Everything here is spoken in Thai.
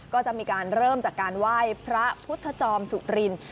ก็จะมีการเริ่มจากการไหว้พระพุทธจอมสุริน